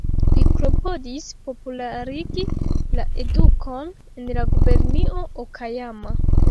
Li klopodis popularigi la edukon en la gubernio Okajama.